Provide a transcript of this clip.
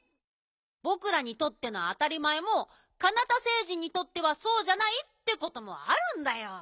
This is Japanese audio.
ぼくらにとってのあたりまえもカナタ星人にとってはそうじゃないってこともあるんだよ。